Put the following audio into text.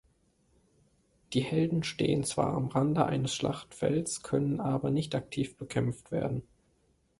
Die Helden stehen zwar am Rande eines Schlachtfeldes, können aber nicht aktiv bekämpft werden.